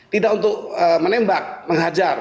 tidak untuk menembak menghajar